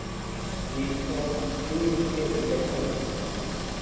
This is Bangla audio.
নিপ্পন টেলিভিশনে এটি দেখানো হতো।